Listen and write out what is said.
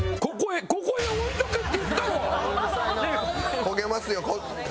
焦げますよ。